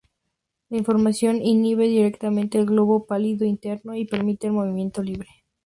La información inhibe directamente el globo pálido interno y permite el movimiento libre.